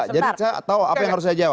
jadi saya tahu apa yang harus saya jawab